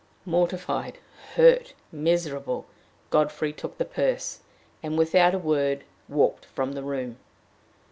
Mortified, hurt, miserable, Godfrey took the purse, and, without a word, walked from the room.